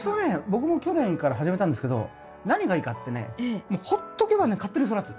僕も去年から始めたんですけど何がいいかってねもうほっとけばね勝手に育つ。